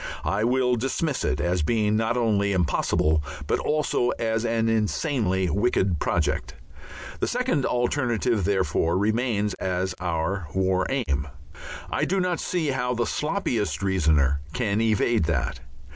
I will dismiss it as being not only impossible, but also as an insanely wicked project. The second alternative, therefore, remains as our War Aim. I do not see how the sloppiest reasoner can evade that.